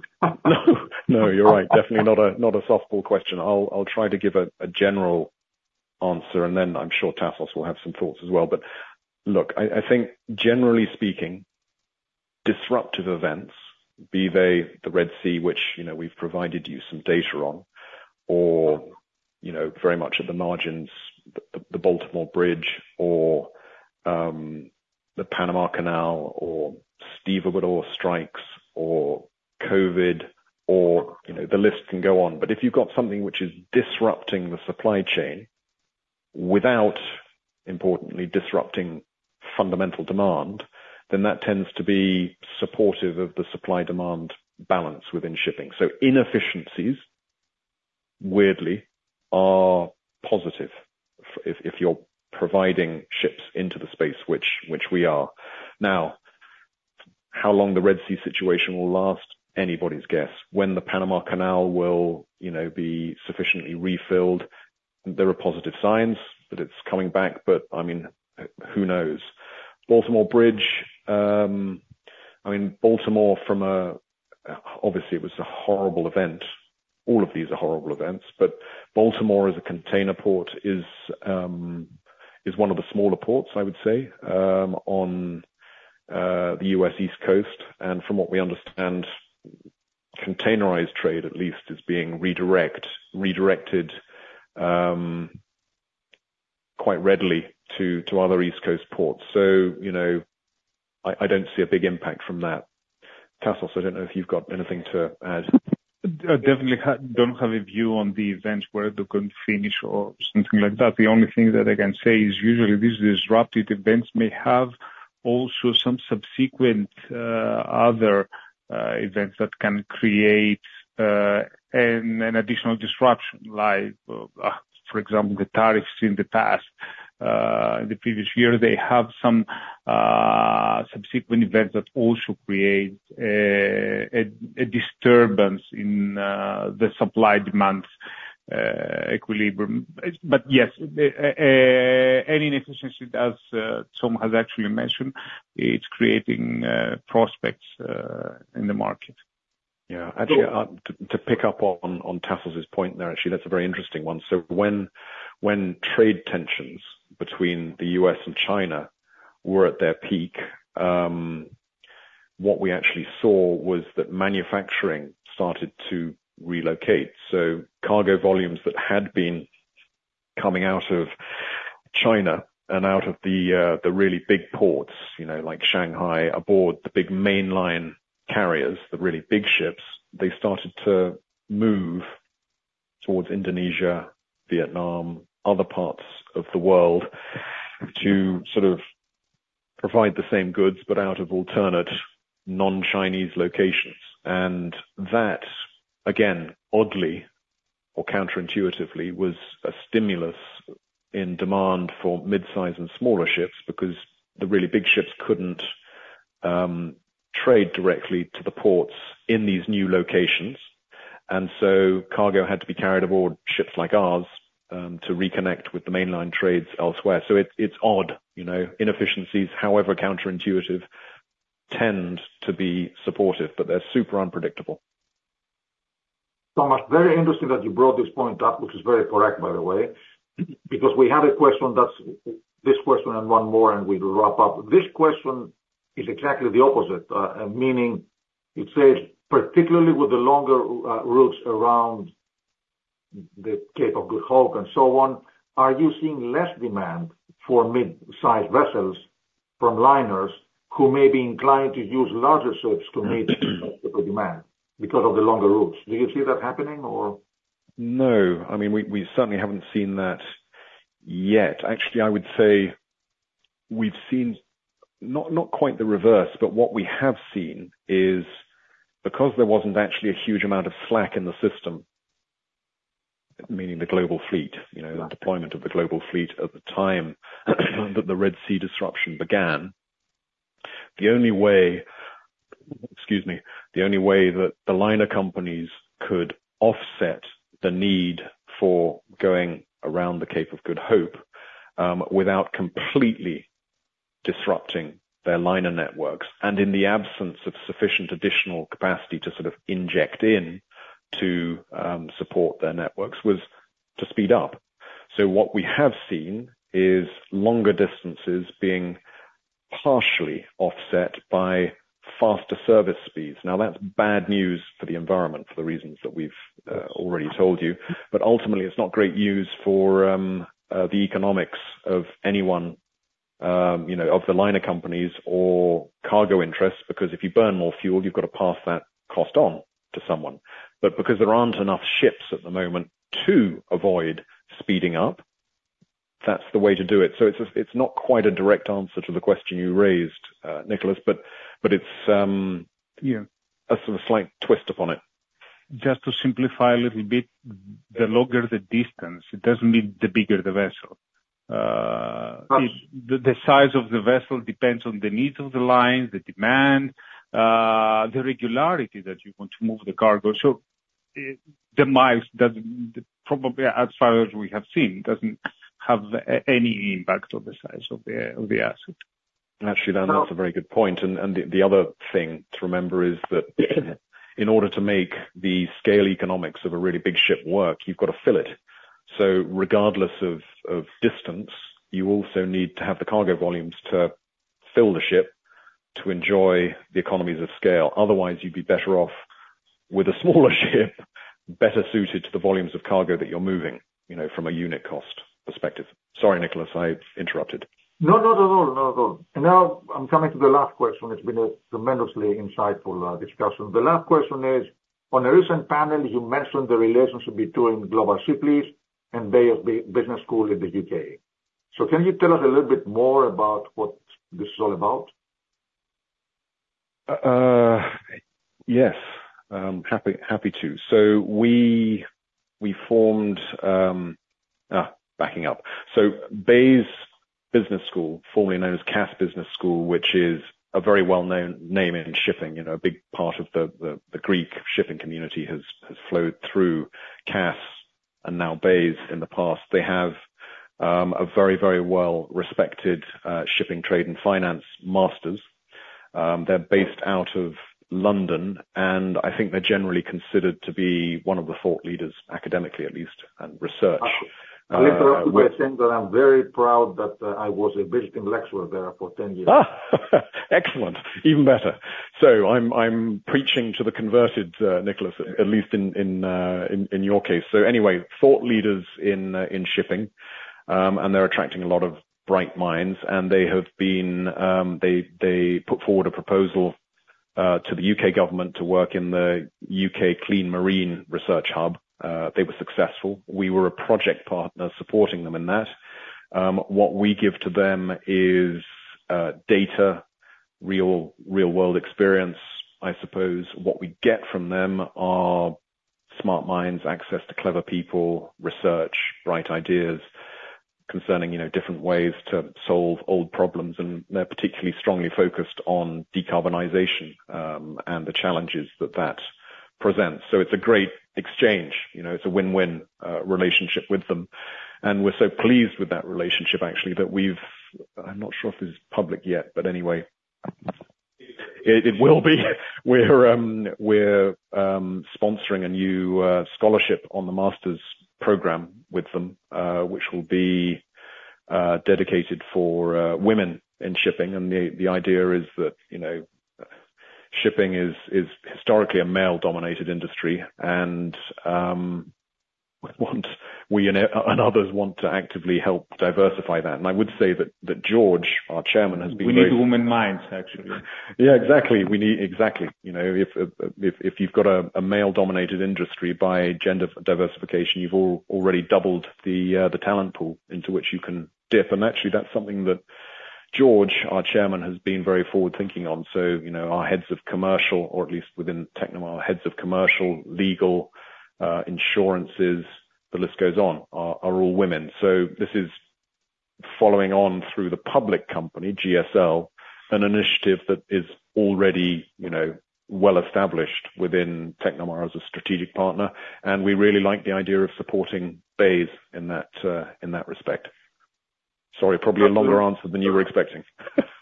No, you're right. Definitely not a softball question. I'll try to give a general answer, and then I'm sure Tassos will have some thoughts as well. But look, I think generally speaking, disruptive events, be they the Red Sea, which we've provided you some data on, or very much at the margins, the Baltimore Bridge, or the Panama Canal, or Suez and other strikes, or COVID, or the list can go on. But if you've got something which is disrupting the supply chain without, importantly, disrupting fundamental demand, then that tends to be supportive of the supply-demand balance within shipping. So inefficiencies, weirdly, are positive if you're providing ships into the space, which we are. Now, how long the Red Sea situation will last, anybody's guess. When the Panama Canal will be sufficiently refilled, there are positive signs that it's coming back, but I mean, who knows? Baltimore Bridge, I mean, Baltimore from a obviously, it was a horrible event. All of these are horrible events, but Baltimore as a container port is one of the smaller ports, I would say, on the U.S. East Coast. And from what we understand, containerized trade at least is being redirected quite readily to other East Coast ports. So I don't see a big impact from that. Tassos, I don't know if you've got anything to add. I definitely don't have a view on the event where the. Finish or something like that. The only thing that I can say is usually these disruptive events may have also some subsequent other events that can create an additional disruption, like for example, the tariffs in the past. In the previous year, they have some subsequent events that also create a disturbance in the supply-demand equilibrium. But yes, any inefficiency, as Tom has actually mentioned, it's creating prospects in the market. Yeah. To pick up on Tassos's point there, actually, that's a very interesting one. So when trade tensions between the U.S. and China were at their peak, what we actually saw was that manufacturing started to relocate. So cargo volumes that had been coming out of China and out of the really big ports like Shanghai aboard the big mainline carriers, the really big ships, they started to move towards Indonesia, Vietnam, other parts of the world to sort of provide the same goods but out of alternate non-Chinese locations. And that, again, oddly or counterintuitively, was a stimulus in demand for mid-size and smaller ships because the really big ships couldn't trade directly to the ports in these new locations. And so cargo had to be carried aboard ships like ours to reconnect with the mainline trades elsewhere. So it's odd. Inefficiencies, however counterintuitive, tend to be supportive, but they're super unpredictable. Tom, it's very interesting that you brought this point up, which is very correct, by the way, because we had a question that's this question and one more, and we'll wrap up. This question is exactly the opposite, meaning it says, particularly with the longer routes around the Cape of Good Hope and so on, are you seeing less demand for mid-size vessels from liners who may be inclined to use larger ships to meet the demand because of the longer routes? Do you see that happening or? No. I mean, we certainly haven't seen that yet. Actually, I would say we've seen not quite the reverse, but what we have seen is because there wasn't actually a huge amount of slack in the system, meaning the global fleet, the deployment of the global fleet at the time that the Red Sea disruption began, the only way, excuse me, the only way that the liner companies could offset the need for going around the Cape of Good Hope without completely disrupting their liner networks and in the absence of sufficient additional capacity to sort of inject in to support their networks was to speed up. So what we have seen is longer distances being partially offset by faster service speeds. Now, that's bad news for the environment for the reasons that we've already told you. But ultimately, it's not great news for the economics of any one of the liner companies or cargo interests because if you burn more fuel, you've got to pass that cost on to someone. But because there aren't enough ships at the moment to avoid speeding up, that's the way to do it. So it's not quite a direct answer to the question you raised, Nicolas, but it's a slight twist upon it. Just to simplify a little bit, the longer the distance, it doesn't mean the bigger the vessel. The size of the vessel depends on the needs of the line, the demand, the regularity that you want to move the cargo. So the miles, probably as far as we have seen, doesn't have any impact on the size of the asset. Actually, that's a very good point. And the other thing to remember is that in order to make the scale economics of a really big ship work, you've got to fill it. So regardless of distance, you also need to have the cargo volumes to fill the ship to enjoy the economies of scale. Otherwise, you'd be better off with a smaller ship, better suited to the volumes of cargo that you're moving from a unit cost perspective. Sorry, Nicolas, I interrupted. No, not at all. Not at all. Now, I'm coming to the last question. It's been a tremendously insightful discussion. The last question is, on a recent panel, you mentioned the relationship between Global Ship Lease and Bayes Business School in the U.K. So can you tell us a little bit more about what this is all about? Yes. Happy to. So we formed, backing up. Bayes Business School, formerly known as Cass Business School, which is a very well-known name in shipping. A big part of the Greek shipping community has flowed through Cass and now Bayes in the past. They have a very, very well-respected shipping trade and finance master's. They're based out of London, and I think they're generally considered to be one of the thought leaders academically, at least, and research. I'm very proud that I was a visiting lecturer there for 10 years. Excellent. Even better. So I'm preaching to the converted, Nicolas, at least in your case. So anyway, thought leaders in shipping, and they're attracting a lot of bright minds. And they have been. They put forward a proposal to the UK government to work in the UK Clean Maritime Research Hub. They were successful. We were a project partner supporting them in that. What we give to them is data, real-world experience, I suppose. What we get from them are smart minds, access to clever people, research, bright ideas concerning different ways to solve old problems. They're particularly strongly focused on decarbonization and the challenges that that presents. So it's a great exchange. It's a win-win relationship with them. We're so pleased with that relationship, actually, that we've—I'm not sure if this is public yet, but anyway, it will be. We're sponsoring a new scholarship on the master's program with them, which will be dedicated for women in shipping. The idea is that shipping is historically a male-dominated industry, and we and others want to actively help diversify that. I would say that George, our chairman. We need women minds, actually. Yeah, exactly. Exactly. If you've got a male-dominated industry by gender diversification, you've already doubled the talent pool into which you can dip. Actually, that's something that George, our chairman, has been very forward-thinking on. Our heads of commercial, or at least within Technomar, heads of commercial, legal, insurance, the list goes on, are all women. This is following on through the public company, GSL, an initiative that is already well-established within Technomar as a strategic partner. We really like the idea of supporting Bayes in that respect. Sorry, probably a longer answer than you were expecting.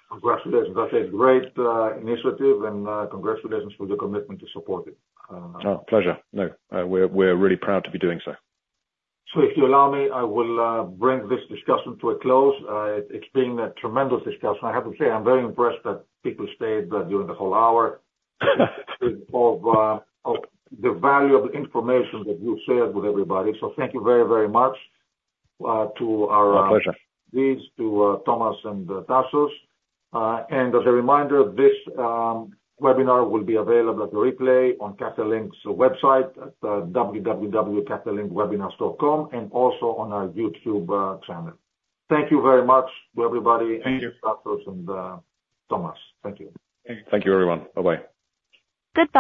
Congratulations. That is a great initiative, and congratulations for your commitment to support it. Oh, pleasure. No, we're really proud to be doing so. If you allow me, I will bring this discussion to a close. It's been a tremendous discussion. I have to say, I'm very impressed that people stayed during the whole hour of the valuable information that you've shared with everybody. So thank you very, very much to our My pleasure. Leads, to Thomas and Tassos. And as a reminder, this webinar will be available as a replay on Capital Link's website at www.capitallinkwebinars.com and also on our YouTube channel. Thank you very much to everybody. Thank you. And Tassos and Thomas. Thank you. Thank you, everyone. Bye-bye. Good.